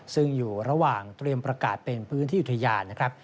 ซึ่งอยู่ระหว่างเตรียมประกาศเป็นพื้นที่อุทยานนะครับ